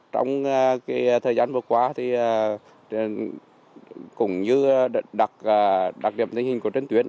trong cái thời gian vừa qua thì cũng như đặc điểm tình hình của trên tuyến